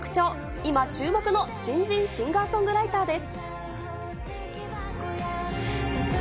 今、注目の新人シンガーソングライターです。